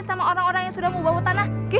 sama orang orang yang sudah mau bawa tanah